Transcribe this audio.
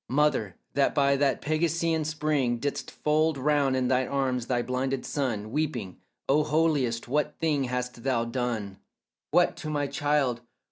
Mother, that by that Pegasean spring Didst fold round in thine arms thy blinded son, Weeping "O holiest, what thing hast thou done, What, to my child?